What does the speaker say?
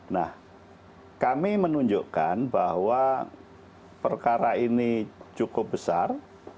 nah kami menunjukkan bahwa perkara ini cukup besar